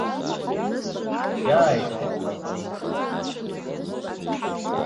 Иааиҭаху ҟаиҵеит.